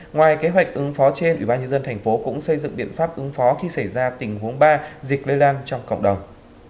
ngoài kế hoạch ứng phó trên ubnd tp hcm cũng xây dựng biện pháp ứng phó khi xảy ra tình huống ba diệt lây lan trong cộng đồng